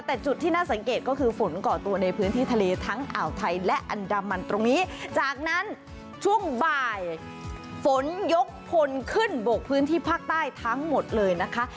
แต่จุดที่น่าสังเกตก็คือฝนก่อตัวในพื้นที่ทะเลทั้งอ่าวไทยและอันดามันตรงนี้จากนั้นช่วงบ่ายฝนยกพลขึ้นบกพื้นที่ภาคใต้ทั้งหมดเลยนะคะ